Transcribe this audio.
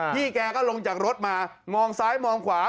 พี่แกก็ลงจากรถมามองซ้ายมองขวา